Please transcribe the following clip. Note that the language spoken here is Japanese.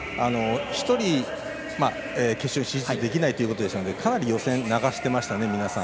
１人決勝に進出できないということでしたのでかなり流してましたね、皆さん。